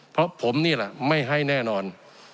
เพราะผมนี่แหละไม่ให้แน่นอน